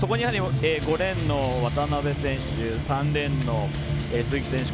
５レーンの渡部選手３レーンの鈴木選手